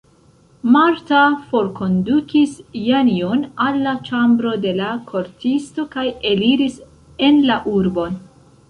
Marta forkondukis Janjon al la ĉambro de la kortisto kaj eliris en la urbon.